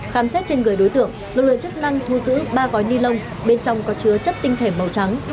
khám xét trên người đối tượng lực lượng chức năng thu giữ ba gói ni lông bên trong có chứa chất tinh thể màu trắng